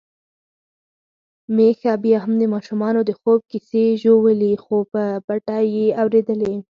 میښه بيا هم د ماشومانو د خوب کیسې ژولي، خو په پټه يې اوريدلې.